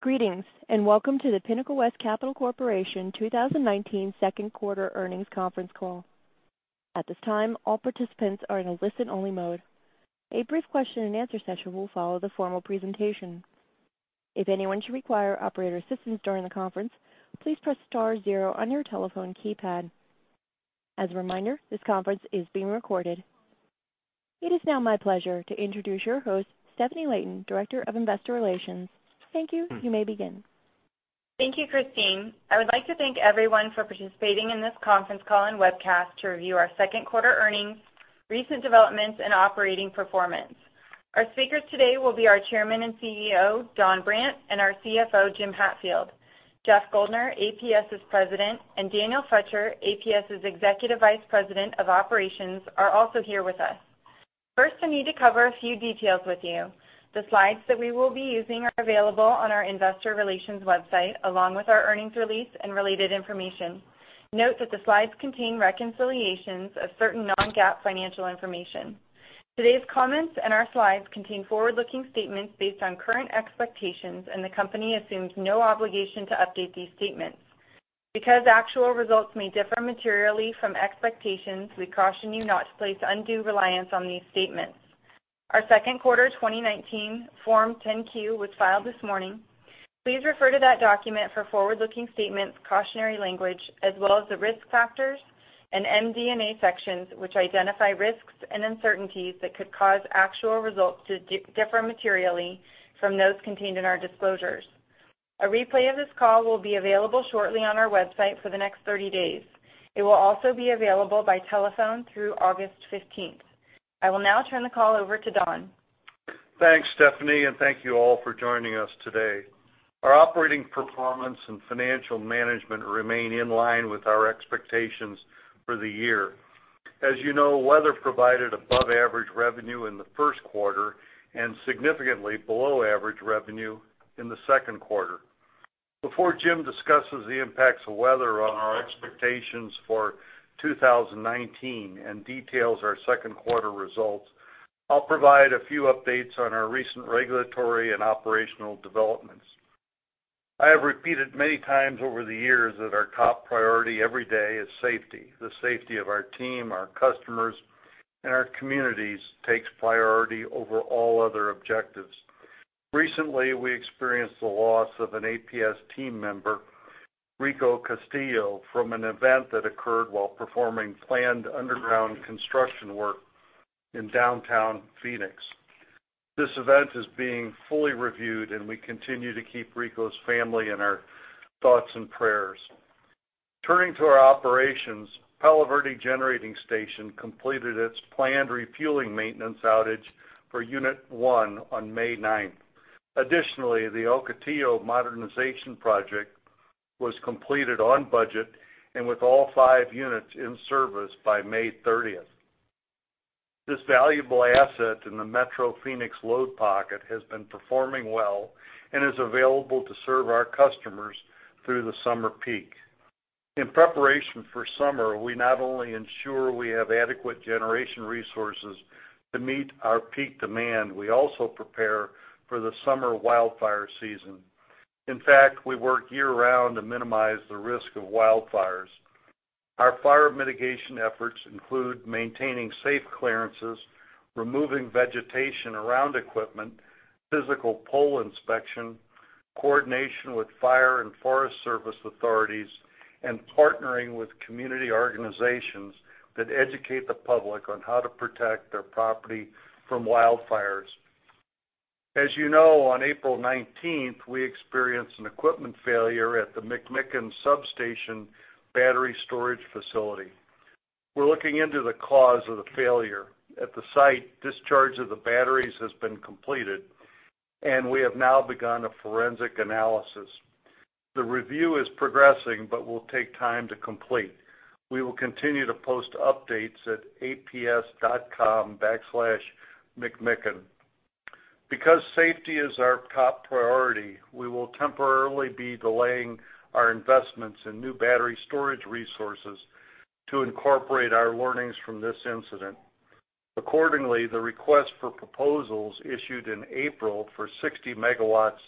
Greetings, and welcome to the Pinnacle West Capital Corporation 2019 second quarter earnings conference call. At this time, all participants are in a listen-only mode. A brief question and answer session will follow the formal presentation. If anyone should require operator assistance during the conference, please press star zero on your telephone keypad. As a reminder, this conference is being recorded. It is now my pleasure to introduce your host, Stefanie Layton, Director of Investor Relations. Thank you. You may begin. Thank you, Christine. I would like to thank everyone for participating in this conference call and webcast to review our second quarter earnings, recent developments, and operating performance. Our speakers today will be our Chairman and CEO, Don Brandt, and our CFO, Jim Hatfield. Jeff Guldner, APS' President, and Daniel Froetscher, APS' Executive Vice President of Operations, are also here with us. First, I need to cover a few details with you. The slides that we will be using are available on our investor relations website, along with our earnings release and related information. Note that the slides contain reconciliations of certain non-GAAP financial information. Today's comments and our slides contain forward-looking statements based on current expectations, and the company assumes no obligation to update these statements. Because actual results may differ materially from expectations, we caution you not to place undue reliance on these statements. Our second quarter 2019 Form 10-Q was filed this morning. Please refer to that document for forward-looking statements, cautionary language, as well as the Risk Factors and MD&A sections, which identify risks and uncertainties that could cause actual results to differ materially from those contained in our disclosures. A replay of this call will be available shortly on our website for the next 30 days. It will also be available by telephone through August 15th. I will now turn the call over to Don. Thanks, Stefanie, and thank you all for joining us today. Our operating performance and financial management remain in line with our expectations for the year. As you know, weather provided above-average revenue in the first quarter and significantly below-average revenue in the second quarter. Before Jim discusses the impacts of weather on our expectations for 2019 and details our second quarter results, I'll provide a few updates on our recent regulatory and operational developments. I have repeated many times over the years that our top priority every day is safety. The safety of our team, our customers, and our communities takes priority over all other objectives. Recently, we experienced the loss of an APS team member, Rico Castillo, from an event that occurred while performing planned underground construction work in downtown Phoenix. This event is being fully reviewed, and we continue to keep Rico's family in our thoughts and prayers. Turning to our operations, Palo Verde Generating Station completed its planned refueling maintenance outage for Unit 1 on May 9th. Additionally, the Ocotillo Modernization Project was completed on budget and with all 5 units in service by May 30th. This valuable asset in the metro Phoenix load pocket has been performing well and is available to serve our customers through the summer peak. In preparation for summer, we not only ensure we have adequate generation resources to meet our peak demand, we also prepare for the summer wildfire season. In fact, we work year-round to minimize the risk of wildfires. Our fire mitigation efforts include maintaining safe clearances, removing vegetation around equipment, physical pole inspection, coordination with fire and forest service authorities, and partnering with community organizations that educate the public on how to protect their property from wildfires. As you know, on April 19th, we experienced an equipment failure at the McMicken Substation battery storage facility. We're looking into the cause of the failure. At the site, discharge of the batteries has been completed, and we have now begun a forensic analysis. The review is progressing but will take time to complete. We will continue to post updates at aps.com/mcmicken. Because safety is our top priority, we will temporarily be delaying our investments in new battery storage resources to incorporate our learnings from this incident. Accordingly, the request for proposals issued in April for 60 megawatts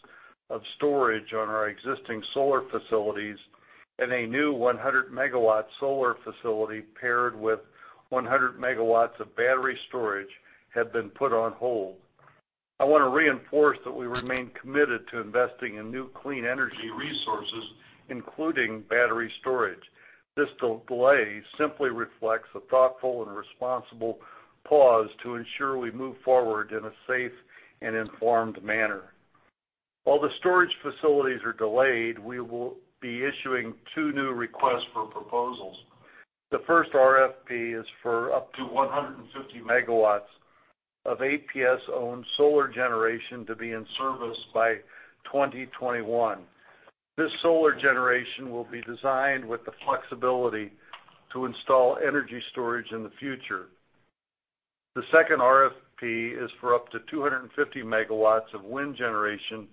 of storage on our existing solar facilities and a new 100-megawatt solar facility paired with 100 megawatts of battery storage have been put on hold. I want to reinforce that we remain committed to investing in new clean energy resources, including battery storage. This delay simply reflects a thoughtful and responsible pause to ensure we move forward in a safe and informed manner. While the storage facilities are delayed, we will be issuing two new requests for proposals. The first RFP is for up to 150 megawatts of APS-owned solar generation to be in service by 2021. This solar generation will be designed with the flexibility to install energy storage in the future. The second RFP is for up to 250 megawatts of wind generation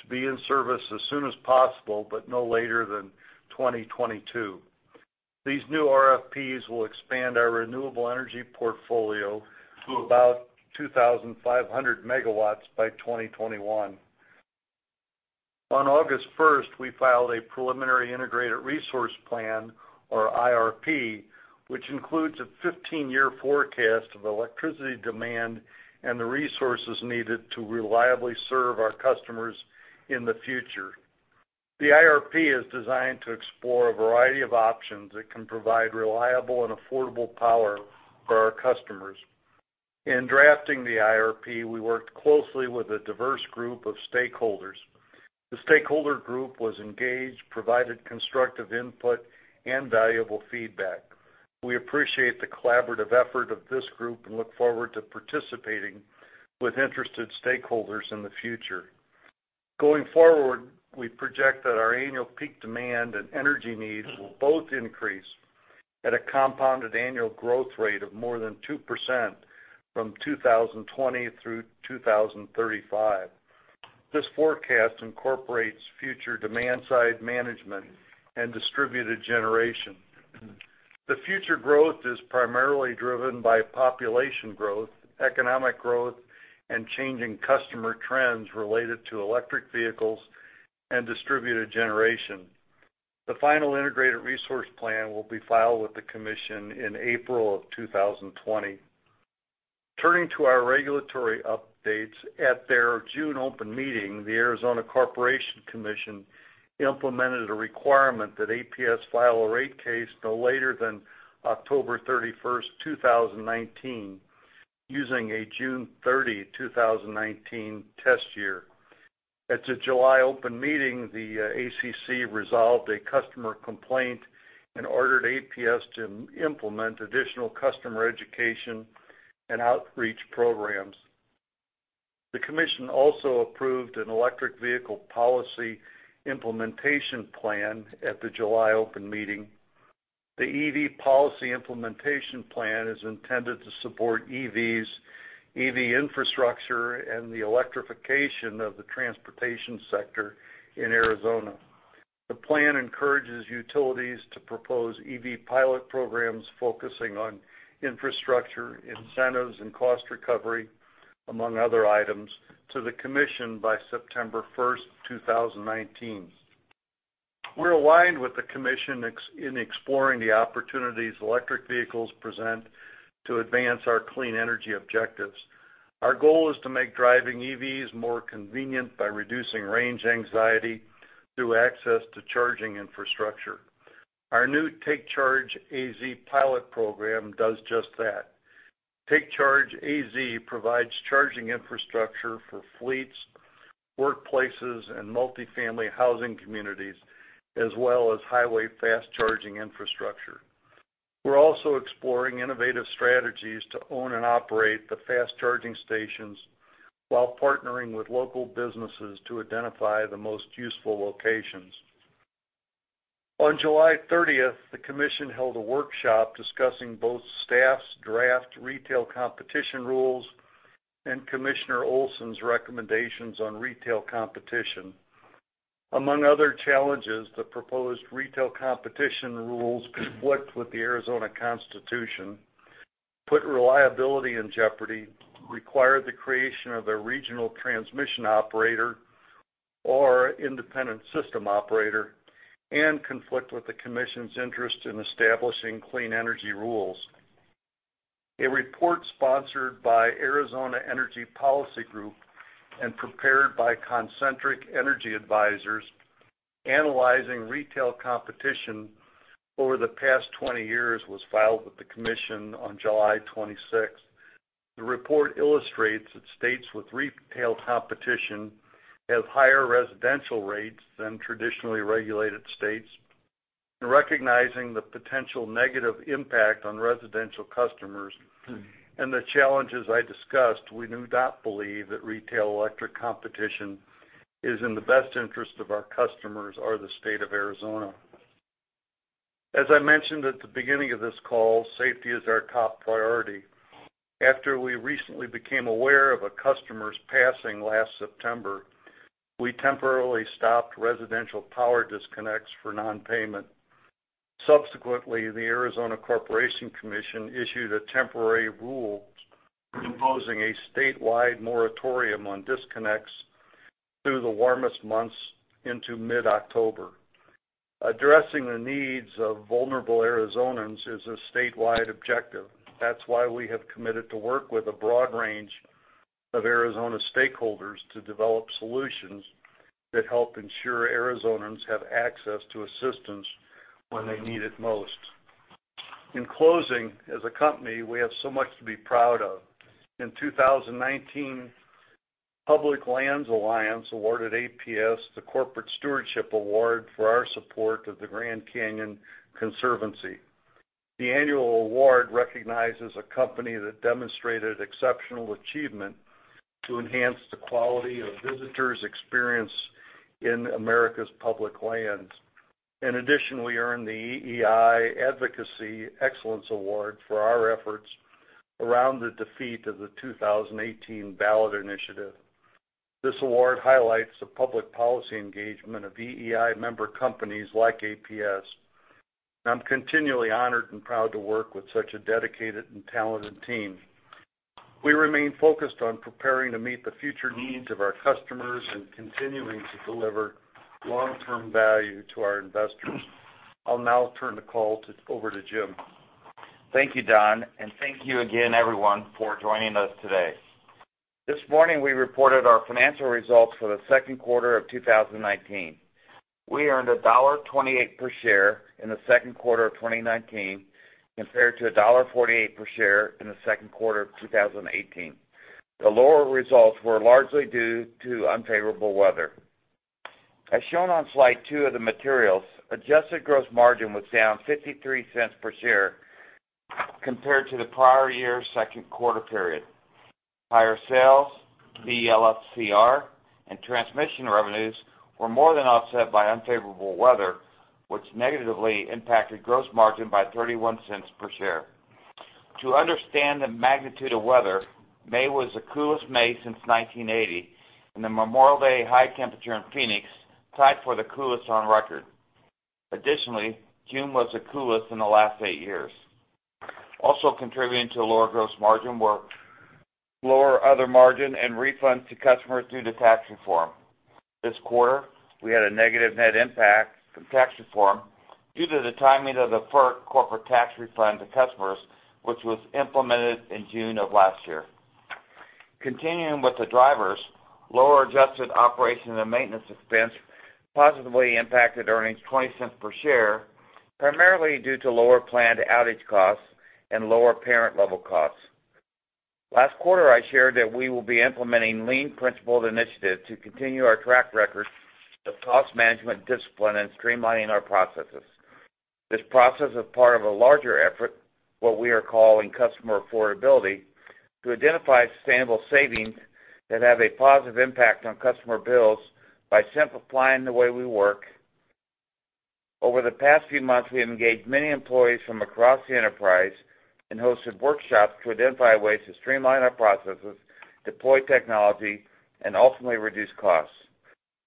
to be in service as soon as possible, but no later than 2022. These new RFPs will expand our renewable energy portfolio to about 2,500 megawatts by 2021. On August 1st, we filed a preliminary integrated resource plan, or IRP, which includes a 15-year forecast of electricity demand and the resources needed to reliably serve our customers in the future. The IRP is designed to explore a variety of options that can provide reliable and affordable power for our customers. In drafting the IRP, we worked closely with a diverse group of stakeholders. The stakeholder group was engaged, provided constructive input, and valuable feedback. We appreciate the collaborative effort of this group, and look forward to participating with interested stakeholders in the future. Going forward, we project that our annual peak demand and energy needs will both increase at a compounded annual growth rate of more than 2% from 2020 through 2035. This forecast incorporates future demand side management and distributed generation. The future growth is primarily driven by population growth, economic growth, and changing customer trends related to electric vehicles and distributed generation. The final integrated resource plan will be filed with the commission in April of 2020. Turning to our regulatory updates. At their June open meeting, the Arizona Corporation Commission implemented a requirement that APS file a rate case no later than October 31st, 2019, using a June 30, 2019 test year. At the July open meeting, the ACC resolved a customer complaint and ordered APS to implement additional customer education and outreach programs. The commission also approved an electric vehicle policy implementation plan at the July open meeting. The EV policy implementation plan is intended to support EVs, EV infrastructure, and the electrification of the transportation sector in Arizona. The plan encourages utilities to propose EV pilot programs focusing on infrastructure, incentives, and cost recovery, among other items, to the commission by September 1st, 2019. We're aligned with the commission in exploring the opportunities electric vehicles present to advance our clean energy objectives. Our goal is to make driving EVs more convenient by reducing range anxiety through access to charging infrastructure. Our new Take Charge AZ pilot program does just that. Take Charge AZ provides charging infrastructure for fleets, workplaces, and multifamily housing communities, as well as highway fast-charging infrastructure. We're also exploring innovative strategies to own and operate the fast-charging stations while partnering with local businesses to identify the most useful locations. On July 30th, the Commission held a workshop discussing both staff's draft retail competition rules and Commissioner Olson's recommendations on retail competition. Among other challenges, the proposed retail competition rules conflict with the Arizona Constitution, put reliability in jeopardy, require the creation of a regional transmission operator or independent system operator, and conflict with the Commission's interest in establishing clean energy rules. A report sponsored by Arizona Energy Policy Group and prepared by Concentric Energy Advisors analyzing retail competition over the past 20 years was filed with the commission on July 26. Recognizing the potential negative impact on residential customers and the challenges I discussed, we do not believe that retail electric competition is in the best interest of our customers or the state of Arizona. As I mentioned at the beginning of this call, safety is our top priority. After we recently became aware of a customer's passing last September, we temporarily stopped residential power disconnects for non-payment. Subsequently, the Arizona Corporation Commission issued a temporary rule imposing a statewide moratorium on disconnects through the warmest months into mid-October. Addressing the needs of vulnerable Arizonans is a statewide objective. That's why we have committed to work with a broad range of Arizona stakeholders to develop solutions that help ensure Arizonans have access to assistance when they need it most. In closing, as a company, we have so much to be proud of. In 2019, Public Lands Alliance awarded APS the Corporate Stewardship Award for our support of the Grand Canyon Conservancy. The annual award recognizes a company that demonstrated exceptional achievement to enhance the quality of visitors' experience in America's public lands. In addition, we earned the EEI Advocacy Excellence Award for our efforts around the defeat of the 2018 ballot initiative. This award highlights the public policy engagement of EEI member companies like APS, and I'm continually honored and proud to work with such a dedicated and talented team. We remain focused on preparing to meet the future needs of our customers and continuing to deliver long-term value to our investors. I'll now turn the call over to Jim. Thank you, Don, and thank you again, everyone, for joining us today. This morning, we reported our financial results for the second quarter of 2019. We earned $1.28 per share in the second quarter of 2019, compared to $1.48 per share in the second quarter of 2018. The lower results were largely due to unfavorable weather. As shown on slide two of the materials, adjusted gross margin was down $0.53 per share compared to the prior year's second quarter period. Higher sales, LFCR, and transmission revenues were more than offset by unfavorable weather, which negatively impacted gross margin by $0.31 per share. To understand the magnitude of weather, May was the coolest May since 1980, and the Memorial Day high temperature in Phoenix tied for the coolest on record. Additionally, June was the coolest in the last eight years. Also contributing to the lower gross margin were lower other margin and refunds to customers due to tax reform. This quarter, we had a negative net impact from tax reform due to the timing of the FERC corporate tax refund to customers, which was implemented in June of last year. Continuing with the drivers, lower adjusted operation and maintenance expense positively impacted earnings $0.20 per share, primarily due to lower planned outage costs and lower parent-level costs. Last quarter, I shared that we will be implementing lean principles initiative to continue our track record of cost management discipline and streamlining our processes. This process is part of a larger effort, what we are calling customer affordability, to identify sustainable savings that have a positive impact on customer bills by simplifying the way we work. Over the past few months, we have engaged many employees from across the enterprise and hosted workshops to identify ways to streamline our processes, deploy technology, and ultimately reduce costs.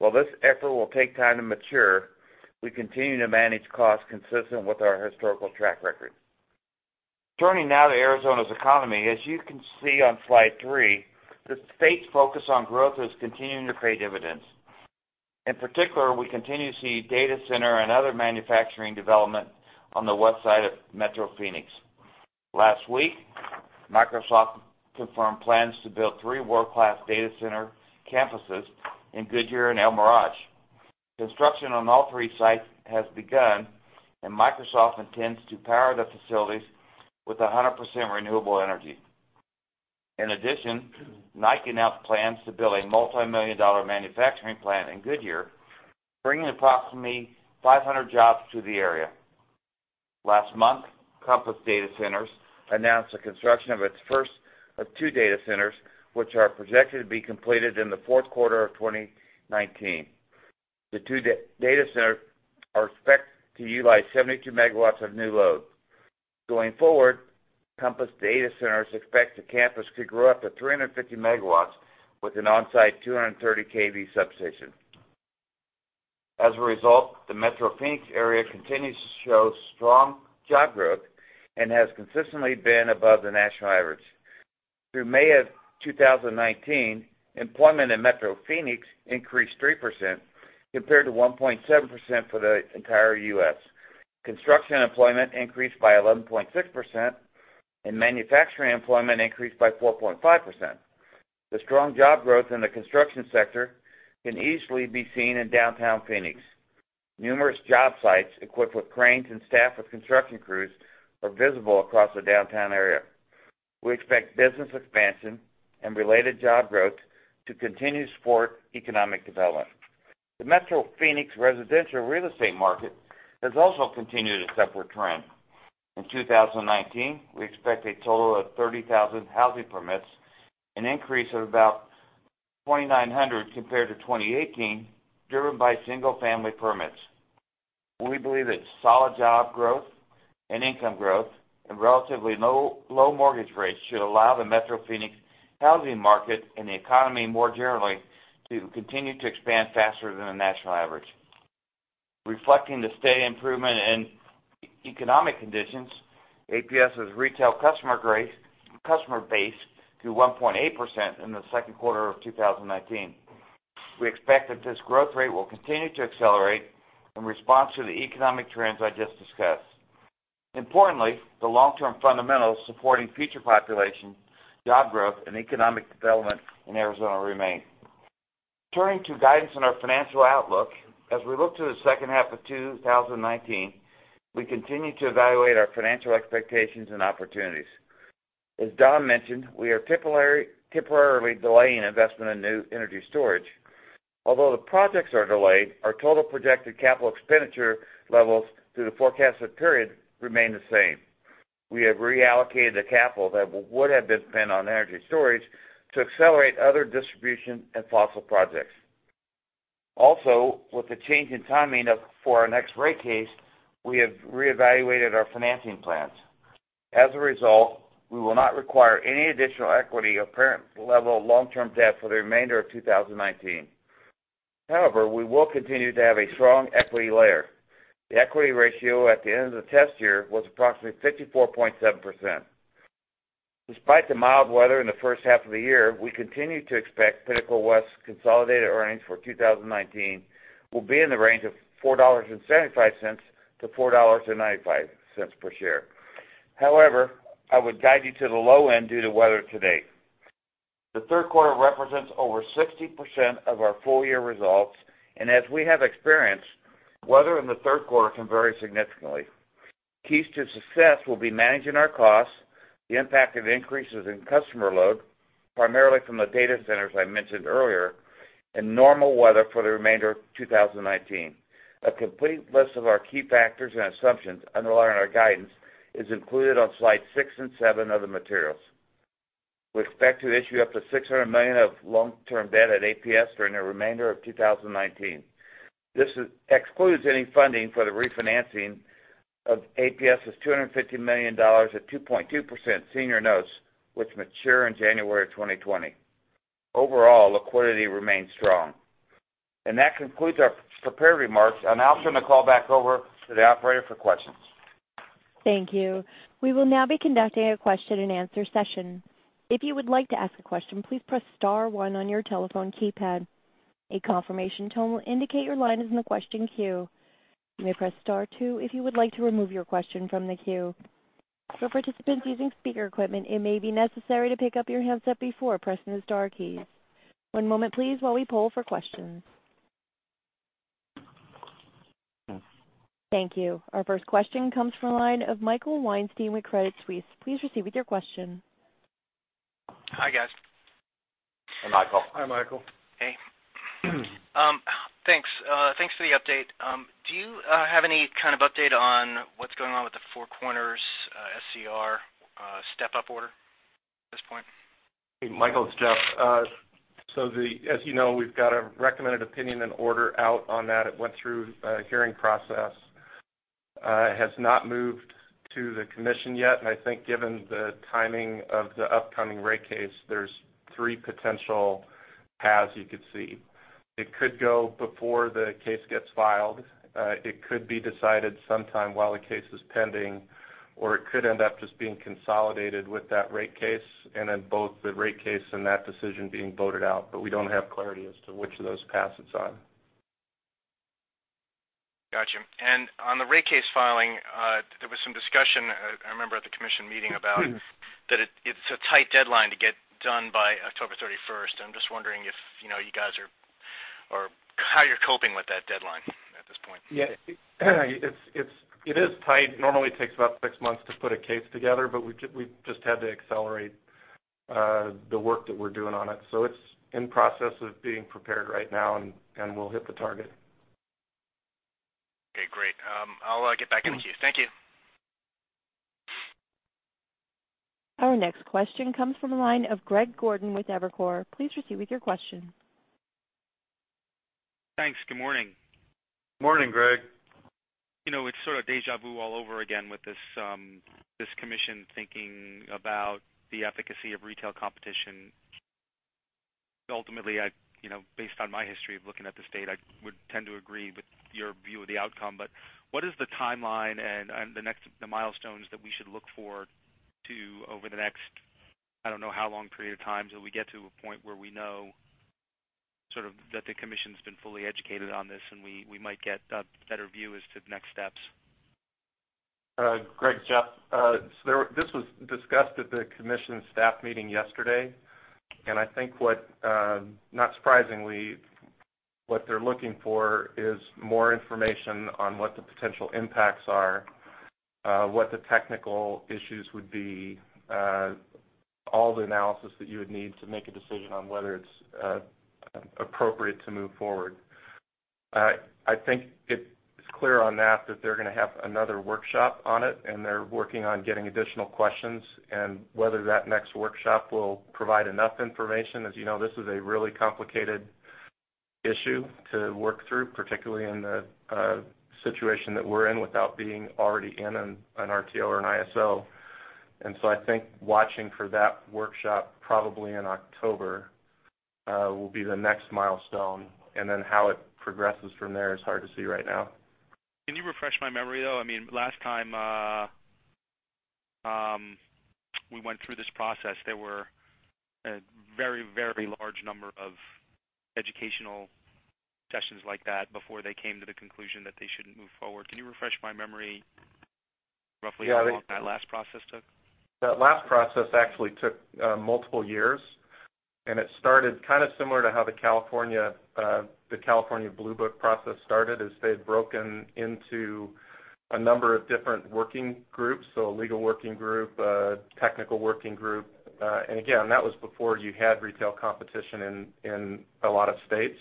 While this effort will take time to mature, we continue to manage costs consistent with our historical track record. Turning now to Arizona's economy. As you can see on slide three, the state's focus on growth is continuing to create dividends. In particular, we continue to see data center and other manufacturing development on the west side of metro Phoenix. Last week, Microsoft confirmed plans to build three world-class data center campuses in Goodyear and El Mirage. Construction on all three sites has begun, and Microsoft intends to power the facilities with 100% renewable energy. In addition, Nike announced plans to build a multimillion-dollar manufacturing plant in Goodyear, bringing approximately 500 jobs to the area. Last month, Compass Datacenters announced the construction of its first of two data centers, which are projected to be completed in the fourth quarter of 2019. The two data centers are expected to utilize 72 MW of new load. Going forward, Compass Datacenters expects the campus could grow up to 350 MW with an on-site 230 kV substation. As a result, the metro Phoenix area continues to show strong job growth and has consistently been above the national average. Through May of 2019, employment in metro Phoenix increased 3% compared to 1.7% for the entire U.S. Construction employment increased by 11.6%, and manufacturing employment increased by 4.5%. The strong job growth in the construction sector can easily be seen in downtown Phoenix. Numerous job sites equipped with cranes and staffed with construction crews are visible across the downtown area. We expect business expansion and related job growth to continue to support economic development. The metro Phoenix residential real estate market has also continued its upward trend. In 2019, we expect a total of 30,000 housing permits, an increase of about 2,900 compared to 2018, driven by single-family permits. We believe that solid job growth and income growth and relatively low mortgage rates should allow the metro Phoenix housing market and the economy more generally to continue to expand faster than the national average. Reflecting the steady improvement in economic conditions, APS's retail customer base grew 1.8% in the second quarter of 2019. We expect that this growth rate will continue to accelerate in response to the economic trends I just discussed. Importantly, the long-term fundamentals supporting future population, job growth, and economic development in Arizona remain. Turning to guidance on our financial outlook. As we look to the second half of 2019, we continue to evaluate our financial expectations and opportunities. As Don mentioned, we are temporarily delaying investment in new energy storage. Although the projects are delayed, our total projected capital expenditure levels through the forecasted period remain the same. We have reallocated the capital that would have been spent on energy storage to accelerate other distribution and fossil projects. Also, with the change in timing for our next rate case, we have reevaluated our financing plans. As a result, we will not require any additional equity or parent-level long-term debt for the remainder of 2019. However, we will continue to have a strong equity layer. The equity ratio at the end of the test year was approximately 54.7%. Despite the mild weather in the first half of the year, we continue to expect Pinnacle West's consolidated earnings for 2019 will be in the range of $4.75 to $4.95 per share. However, I would guide you to the low end due to weather to date. The third quarter represents over 60% of our full-year results, and as we have experienced, weather in the third quarter can vary significantly. Keys to success will be managing our costs, the impact of increases in customer load, primarily from the data centers I mentioned earlier, and normal weather for the remainder of 2019. A complete list of our key factors and assumptions underlying our guidance is included on slides six and seven of the materials. We expect to issue up to $600 million of long-term debt at APS during the remainder of 2019. This excludes any funding for the refinancing of APS's $250 million at 2.2% senior notes, which mature in January of 2020. Overall, liquidity remains strong. That concludes our prepared remarks. I'll now turn the call back over to the operator for questions. Thank you. We will now be conducting a question and answer session. If you would like to ask a question, please press * one on your telephone keypad. A confirmation tone will indicate your line is in the question queue. You may press * two if you would like to remove your question from the queue. For participants using speaker equipment, it may be necessary to pick up your handset before pressing the star keys. One moment please while we poll for questions. Thank you. Our first question comes from the line of Michael Weinstein with Credit Suisse. Please proceed with your question. Hi, guys. Hi, Michael. Hi, Michael. Hey. Thanks for the update. Do you have any kind of update on what's going on with the Four Corners SCR step-up order at this point? Hey, Michael, it's Jeff. As you know, we've got a recommended opinion and order out on that. It went through a hearing process. It has not moved to the commission yet. I think given the timing of the upcoming rate case, there's three potential paths you could see. It could go before the case gets filed, it could be decided sometime while the case is pending, or it could end up just being consolidated with that rate case and then both the rate case and that decision being voted out. We don't have clarity as to which of those paths it's on. Got you. On the rate case filing, there was some discussion, I remember at the Commission meeting, about that it's a tight deadline to get done by October 31st. I'm just wondering how you're coping with that deadline at this point. Yeah. It is tight. It normally takes about six months to put a case together, but we just had to accelerate the work that we're doing on it. It's in process of being prepared right now, and we'll hit the target. Okay, great. I'll get back in the queue. Thank you. Our next question comes from the line of Greg Gordon with Evercore. Please proceed with your question. Thanks. Good morning. Morning, Greg. It's sort of deja vu all over again with this commission thinking about the efficacy of retail competition. Ultimately, based on my history of looking at the state, I would tend to agree with your view of the outcome. What is the timeline and the milestones that we should look forward to over the next, I don't know how long period of time till we get to a point where we know that the commission's been fully educated on this and we might get a better view as to the next steps? Greg, Jeff. This was discussed at the commission staff meeting yesterday, and I think, not surprisingly, what they're looking for is more information on what the potential impacts are, what the technical issues would be, all the analysis that you would need to make a decision on whether it's appropriate to move forward. I think it's clear on that they're going to have another workshop on it and they're working on getting additional questions and whether that next workshop will provide enough information. As you know, this is a really complicated issue to work through, particularly in the situation that we're in without being already in an RTO or an ISO. I think watching for that workshop, probably in October, will be the next milestone, and then how it progresses from there is hard to see right now. Can you refresh my memory, though? Last time we went through this process, there were a very large number of educational sessions like that before they came to the conclusion that they shouldn't move forward. Can you refresh my memory roughly how long that last process took? That last process actually took multiple years. It started kind of similar to how the California Blue Book process started, is they had broken into a number of different working groups, so a legal working group, a technical working group. Again, that was before you had retail competition in a lot of states.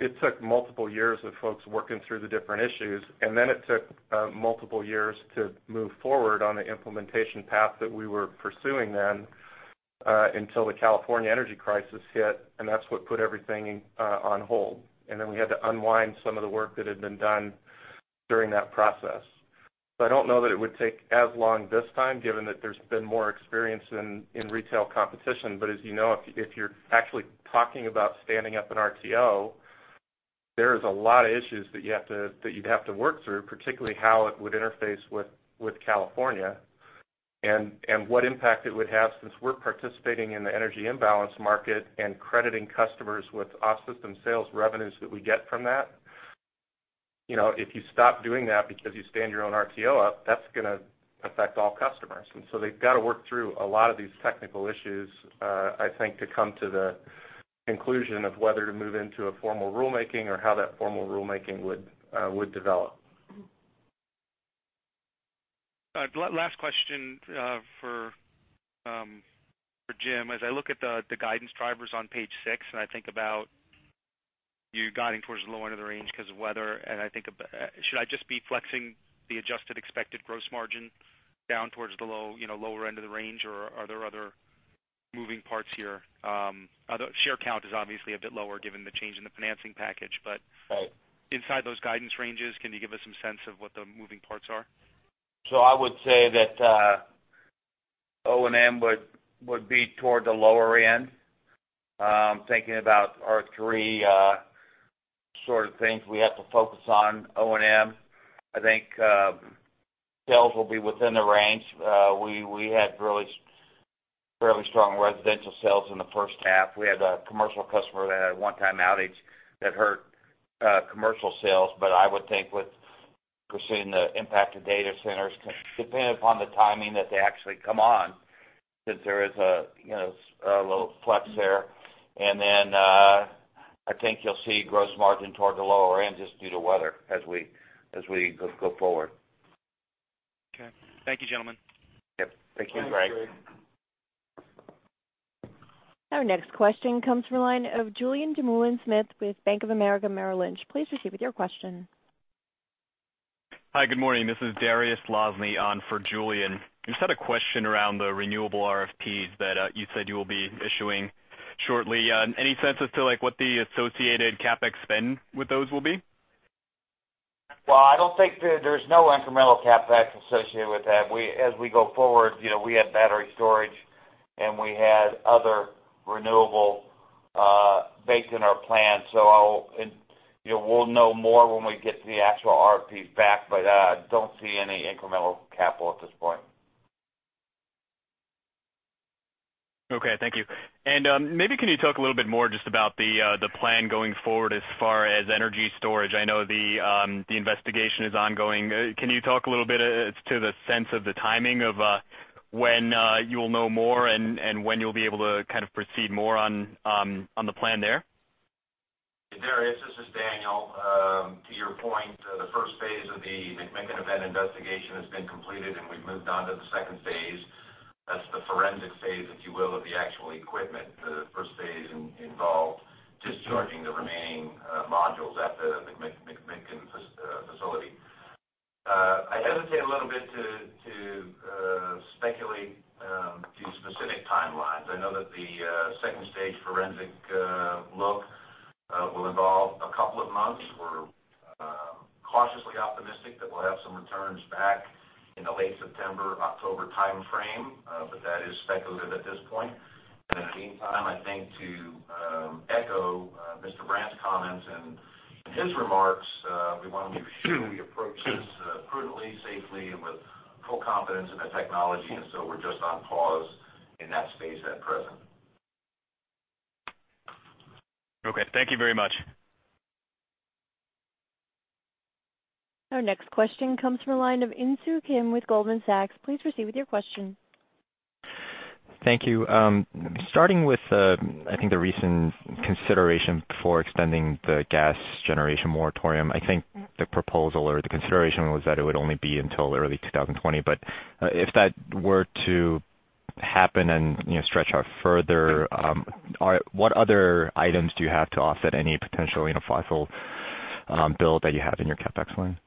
It took multiple years of folks working through the different issues. Then it took multiple years to move forward on the implementation path that we were pursuing then, until the California energy crisis hit. That's what put everything on hold. Then we had to unwind some of the work that had been done during that process. I don't know that it would take as long this time, given that there's been more experience in retail competition. As you know, if you're actually talking about standing up an RTO, there is a lot of issues that you'd have to work through, particularly how it would interface with California and what impact it would have, since we're participating in the energy imbalance market and crediting customers with off system sales revenues that we get from that. If you stop doing that because you stand your own RTO up, that's going to affect all customers. So they've got to work through a lot of these technical issues, I think, to come to the conclusion of whether to move into a formal rulemaking or how that formal rulemaking would develop. Last question for Jim. As I look at the guidance drivers on page six, and I think about you guiding towards the low end of the range because of weather, should I just be flexing the adjusted expected gross margin down towards the lower end of the range, or are there other moving parts here? Although share count is obviously a bit lower given the change in the financing package. Right. Inside those guidance ranges, can you give us some sense of what the moving parts are? I would say that O&M would be toward the lower end. I'm thinking about our three sort of things we have to focus on O&M. I think sales will be within the range. We had really fairly strong residential sales in the first half. We had a commercial customer that had a one-time outage that hurt commercial sales. I would think with pursuing the impact to data centers, depending upon the timing that they actually come on, that there is a little flex there. Then, I think you'll see gross margin toward the lower end just due to weather as we go forward. Okay. Thank you, gentlemen. Yep. Thank you, Greg. Thanks, Greg. Our next question comes from the line of Julien Dumoulin-Smith with Bank of America Merrill Lynch. Please proceed with your question. Hi, good morning. This is Dariusz Lozny on for Julien. Just had a question around the renewable RFPs that you said you will be issuing shortly. Any sense as to what the associated CapEx spend with those will be? Well, there's no incremental CapEx associated with that. As we go forward, we had battery storage, and we had other renewable baked in our plan. We'll know more when we get the actual RFPs back, I don't see any incremental capital at this point. Okay, thank you. Maybe can you talk a little bit more just about the plan going forward as far as energy storage? I know the investigation is ongoing. Can you talk a little bit as to the sense of the timing of when you'll know more and when you'll be able to proceed more on the plan there? Dariusz, this is Daniel. To your point, the first phase of the McMicken event investigation has been completed, and we've moved on to the second phase. That's the forensic phase, if you will, of the actual equipment. The first phase involved discharging the remaining modules at the McMicken facility. I hesitate a little bit to speculate to specific timelines. I know that the second-stage forensic look will involve a couple of months. We're cautiously optimistic that we'll have some returns back in the late September, October timeframe. That is speculative at this point. In the meantime, I think to echo Don Brandt's comments and his remarks, we want to make sure we approach this prudently, safely, and with full confidence in the technology, and so we're just on pause in that space at present. Okay. Thank you very much. Our next question comes from the line of Insoo Kim with Goldman Sachs. Please proceed with your question. Thank you. Starting with, I think the recent consideration for extending the gas generation moratorium. I think the proposal or the consideration was that it would only be until early 2020. If that were to happen and stretch out further, what other items do you have to offset any potential fossil build that you have in your CapEx line?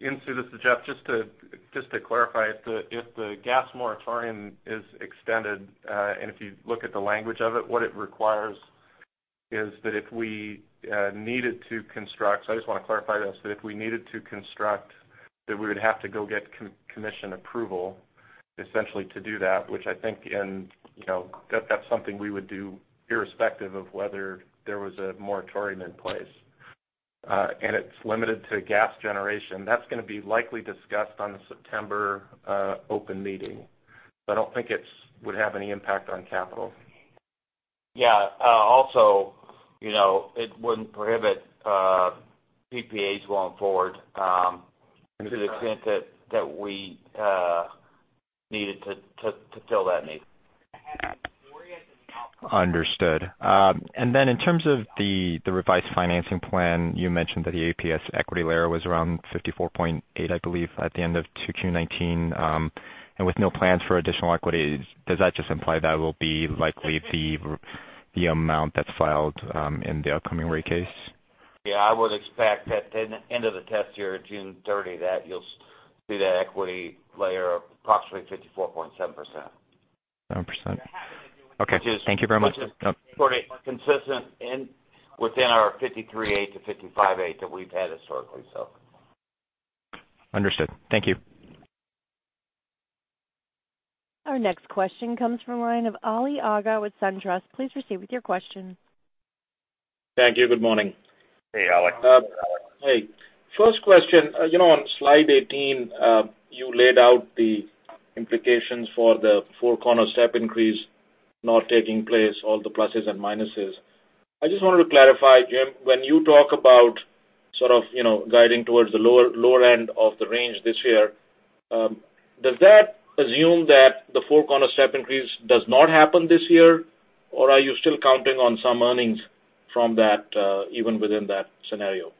Insoo, this is Jeff. Just to clarify, if the gas moratorium is extended, and if you look at the language of it, what it requires is that if we needed to construct, I just want to clarify this, that if we needed to construct, that we would have to go get Commission approval essentially to do that, which I think that's something we would do irrespective of whether there was a moratorium in place. It's limited to gas generation. That's going to be likely discussed on the September open meeting. I don't think it would have any impact on capital. Yeah. Also, it wouldn't prohibit PPAs going forward to the extent that we needed to fill that need. Understood. In terms of the revised financing plan, you mentioned that the APS equity layer was around 54.8, I believe, at the end of 2Q 2019. With no plans for additional equity, does that just imply that will be likely the amount that's filed in the upcoming rate case? Yeah, I would expect that end of the test year, June thirty, that you'll see that equity layer of approximately 54.7%. 7%. Okay. Thank you very much. Which is pretty consistent within our 53.8-55.8 that we've had historically. Understood. Thank you. Our next question comes from the line of Ali Agha with SunTrust. Please proceed with your question. Thank you. Good morning. Hey, Ali. Hey. First question, on slide 18, you laid out the implications for the Four Corners step increase not taking place, all the pluses and minuses. I just wanted to clarify, Jim, when you talk about guiding towards the lower end of the range this year, does that assume that the Four Corners step increase does not happen this year, or are you still counting on some earnings from that, even within that scenario?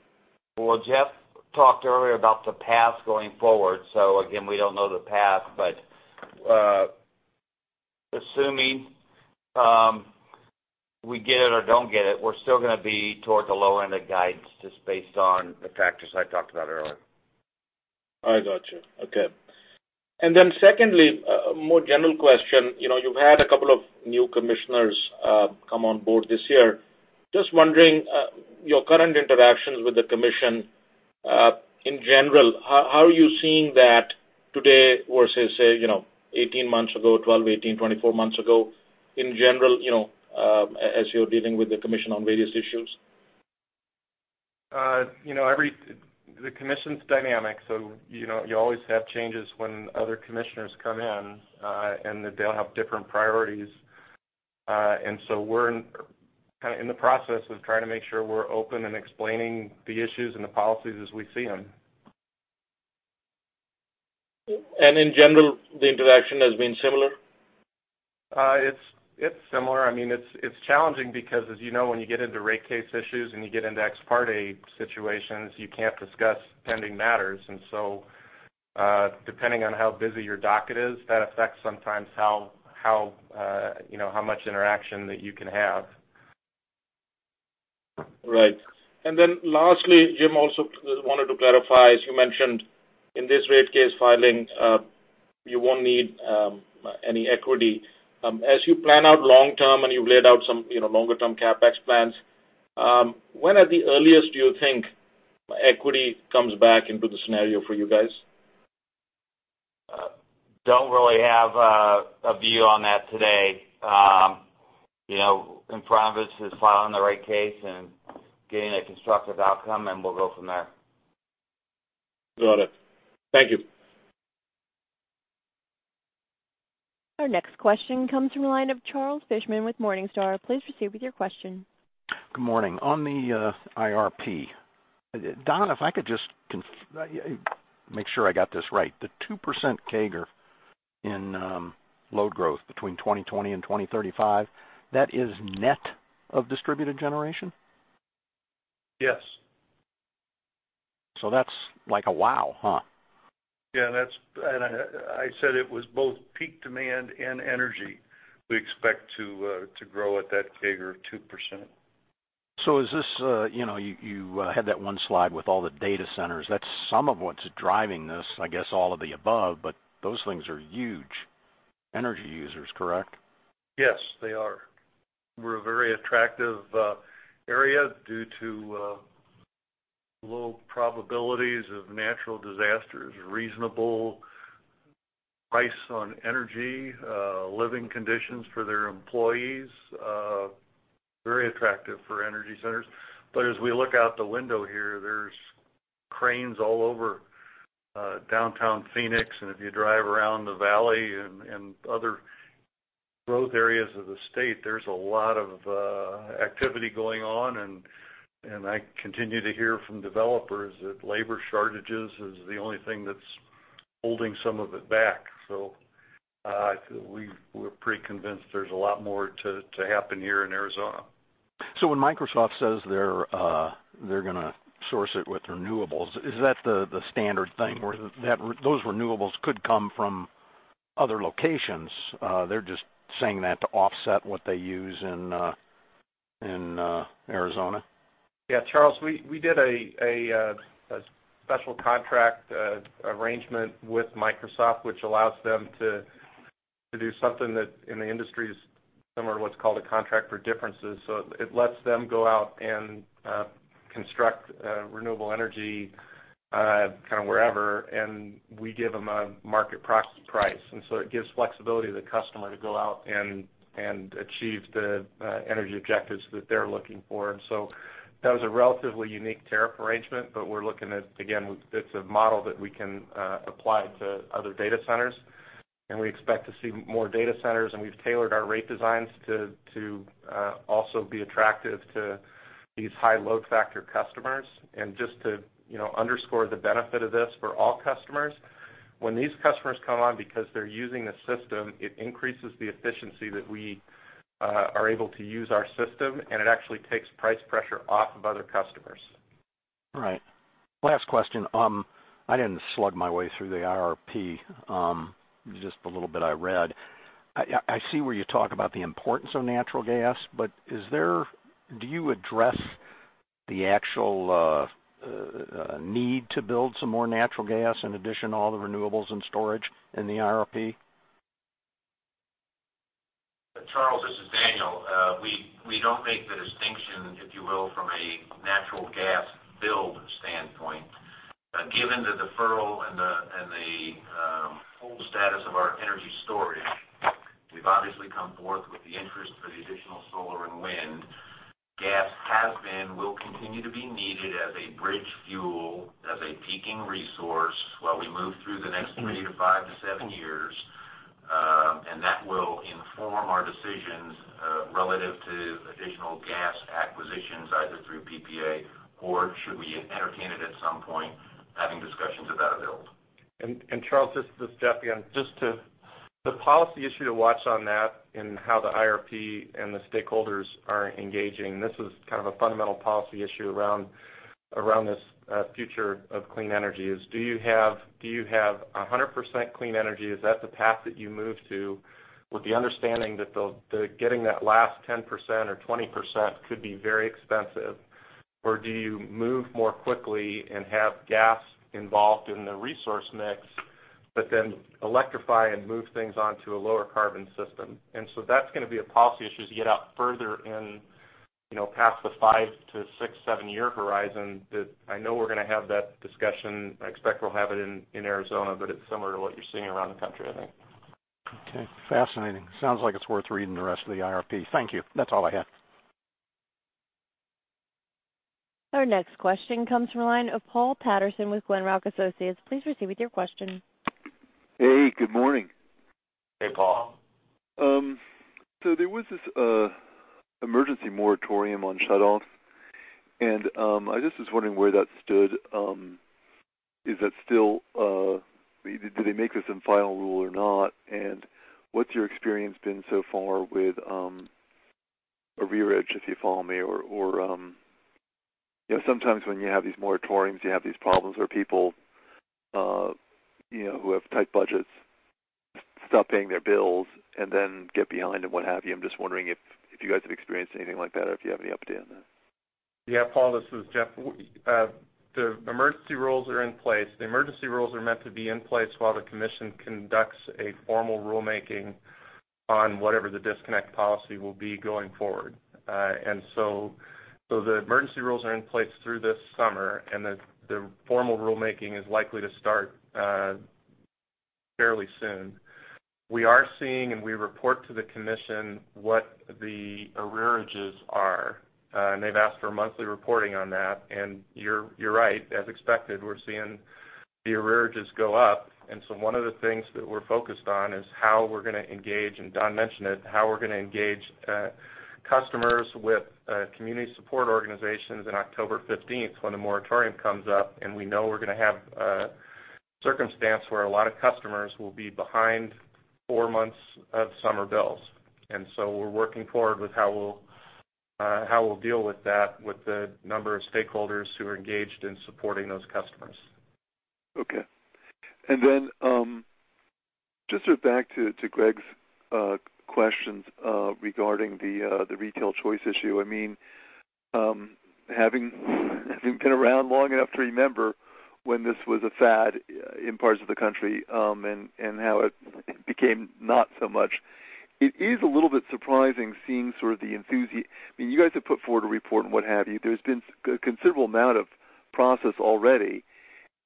Well, Jeff talked earlier about the path going forward. Again, we don't know the path, but assuming we get it or don't get it, we're still going to be towards the low end of guidance just based on the factors I talked about earlier. I got you. Okay. Secondly, a more general question. You've had a couple of new Commissioners come on board this year. Just wondering, your current interactions with the Commission, in general, how are you seeing that today versus, say, 18 months ago, 12, 18, 24 months ago, in general, as you're dealing with the Commission on various issues? The commission's dynamic. You always have changes when other commissioners come in. They'll have different priorities. We're in the process of trying to make sure we're open and explaining the issues and the policies as we see them. In general, the interaction has been similar? It's similar. It's challenging because as you know, when you get into rate case issues and you get into ex parte situations, you can't discuss pending matters. Depending on how busy your docket is, that affects sometimes how much interaction that you can have. Right. Lastly, Jim, also wanted to clarify, as you mentioned, in this rate case filing, you won't need any equity. As you plan out long term and you've laid out some longer-term CapEx plans, when at the earliest do you think equity comes back into the scenario for you guys? Don't really have a view on that today. Enfranchisement is filing the right case and getting a constructive outcome, and we'll go from there. Got it. Thank you. Our next question comes from the line of Charles Fishman with Morningstar. Please proceed with your question. Good morning. On the IRP, Don, if I could just make sure I got this right. The 2% CAGR in load growth between 2020 and 2035, that is net of distributed generation? Yes. That's like a wow, huh? Yeah. I said it was both peak demand and energy we expect to grow at that CAGR of 2%. You had that one slide with all the data centers. That's some of what's driving this, I guess all of the above, but those things are huge energy users, correct? Yes, they are. We're a very attractive area due to low probabilities of natural disasters, reasonable price on energy, living conditions for their employees. Very attractive for energy centers. As we look out the window here, there's cranes all over downtown Phoenix, and if you drive around the valley and other growth areas of the state, there's a lot of activity going on, and I continue to hear from developers that labor shortages is the only thing that's holding some of it back. We're pretty convinced there's a lot more to happen here in Arizona. When Microsoft says they're going to source it with renewables, is that the standard thing where those renewables could come from other locations? They're just saying that to offset what they use in Arizona? Yeah, Charles, we did a special contract arrangement with Microsoft, which allows them to do something that in the industry is similar to what's called a contract for differences. It lets them go out and construct renewable energy wherever. We give them a market price. It gives flexibility to the customer to go out and achieve the energy objectives that they're looking for. That was a relatively unique tariff arrangement. We're looking at, again, it's a model that we can apply to other data centers. We expect to see more data centers. We've tailored our rate designs to also be attractive to these high load factor customers. Just to underscore the benefit of this for all customers, when these customers come on because they're using the system, it increases the efficiency that we are able to use our system, and it actually takes price pressure off of other customers. Right. Last question. I didn't slug my way through the IRP. Just the little bit I read. I see where you talk about the importance of natural gas. Do you address the actual need to build some more natural gas in addition to all the renewables and storage in the IRP. Charles, this is Daniel. We don't make the distinction, if you will, from a natural gas build standpoint. Given the deferral and the full status of our energy storage, we've obviously come forth with the interest for the additional solar and wind. Gas has been, will continue to be needed as a bridge fuel, as a peaking resource while we move through the next three to five to seven years. That will inform our decisions relative to additional gas acquisitions, either through PPA or, should we entertain it at some point, having discussions about a build. Charles, this is Jeff again. The policy issue to watch on that and how the IRP and the stakeholders are engaging, this is kind of a fundamental policy issue around this future of clean energy, is do you have 100% clean energy? Is that the path that you move to with the understanding that getting that last 10% or 20% could be very expensive? Do you move more quickly and have gas involved in the resource mix, electrify and move things onto a lower carbon system? That's going to be a policy issue as you get out further in past the five to six, seven year horizon. I know we're going to have that discussion. I expect we'll have it in Arizona, it's similar to what you're seeing around the country, I think. Okay. Fascinating. Sounds like it's worth reading the rest of the IRP. Thank you. That's all I had. Our next question comes from the line of Paul Patterson with Glenrock Associates. Please proceed with your question. Hey, good morning. Hey, Paul. There was this emergency moratorium on shutoffs. I just was wondering where that stood. Do they make this in final rule or not? What's your experience been so far with arrearage, if you follow me? Sometimes when you have these moratoriums, you have these problems where people who have tight budgets stop paying their bills and then get behind and what have you. I'm just wondering if you guys have experienced anything like that or if you have any update on that. Yeah, Paul, this is Jeff. The emergency rules are in place. The emergency rules are meant to be in place while the commission conducts a formal rulemaking on whatever the disconnect policy will be going forward. The emergency rules are in place through this summer, and the formal rulemaking is likely to start fairly soon. We are seeing, and we report to the commission what the arrearages are. They've asked for monthly reporting on that. You're right. As expected, we're seeing the arrearages go up. One of the things that we're focused on is how we're going to engage, and Don mentioned it, how we're going to engage customers with community support organizations on October 15th when the moratorium comes up. We know we're going to have a circumstance where a lot of customers will be behind four months of summer bills. We're working forward with how we'll deal with that with the number of stakeholders who are engaged in supporting those customers. Okay. Then just sort of back to Greg's questions regarding the retail choice issue. Having been around long enough to remember when this was a fad in parts of the country, and how it became not so much, it is a little bit surprising seeing sort of the enthusiasm. You guys have put forward a report and what have you. There's been a considerable amount of process already,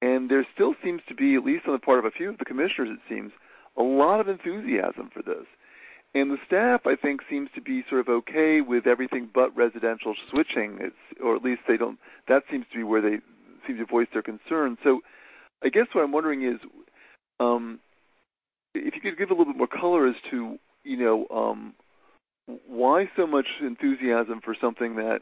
and there still seems to be, at least on the part of a few of the commissioners, it seems, a lot of enthusiasm for this. The staff, I think, seems to be sort of okay with everything but residential switching, or at least that seems to be where they seem to voice their concern. I guess what I'm wondering is if you could give a little bit more color as to why so much enthusiasm for something that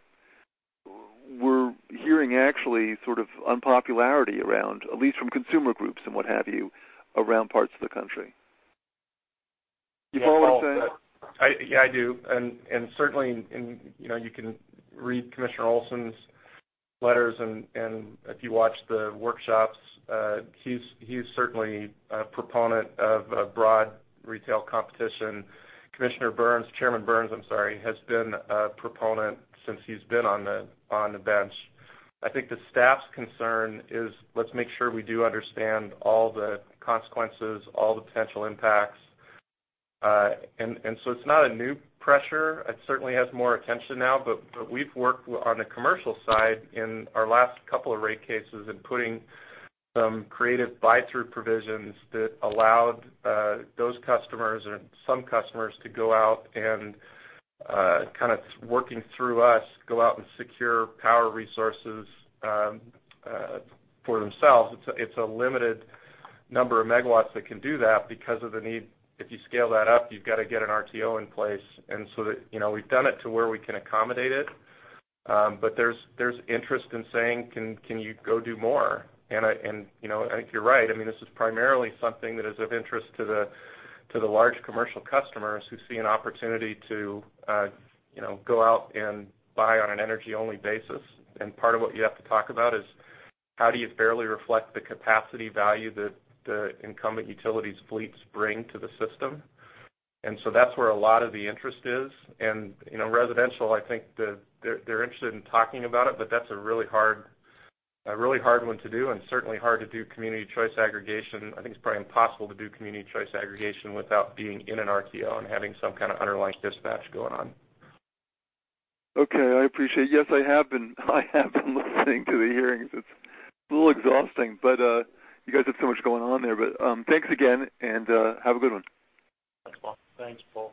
we're hearing actually sort of unpopularity around, at least from consumer groups and what have you, around parts of the country. Do you follow what I'm saying? Yeah, I do. Certainly, you can read Justin Olson's letters, and if you watch the workshops, he's certainly a proponent of broad retail competition. Robert Burns, Chairman Burns, I'm sorry, has been a proponent since he's been on the bench. I think the staff's concern is let's make sure we do understand all the consequences, all the potential impacts. It's not a new pressure. It certainly has more attention now. We've worked on the commercial side in our last couple of rate cases in putting some creative buy-through provisions that allowed those customers or some customers to go out and, kind of working through us, go out and secure power resources for themselves. It's a limited number of megawatts that can do that because of the need. If you scale that up, you've got to get an RTO in place. We've done it to where we can accommodate it. There's interest in saying, "Can you go do more?" I think you're right. This is primarily something that is of interest to the large commercial customers who see an opportunity to go out and buy on an energy-only basis. Part of what you have to talk about is how do you fairly reflect the capacity value that the incumbent utilities fleets bring to the system. That's where a lot of the interest is. Residential, I think they're interested in talking about it, but that's a really hard one to do and certainly hard to do community choice aggregation. I think it's probably impossible to do community choice aggregation without being in an RTO and having some kind of underlying dispatch going on. Okay. I appreciate it. Yes, I have been listening to the hearings. It's a little exhausting. You guys have so much going on there. Thanks again, and have a good one. Thanks, Paul.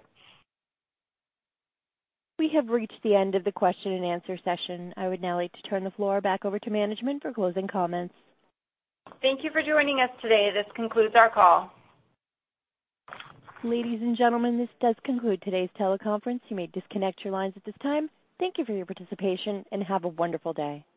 We have reached the end of the question and answer session. I would now like to turn the floor back over to management for closing comments. Thank you for joining us today. This concludes our call. Ladies and gentlemen, this does conclude today's teleconference. You may disconnect your lines at this time. Thank you for your participation, and have a wonderful day.